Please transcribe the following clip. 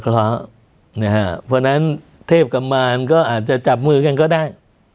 เพราะฉะนั้นเทพกำมารก็อาจจะจับมือกันก็ได้